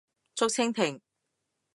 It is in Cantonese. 竹蜻蜓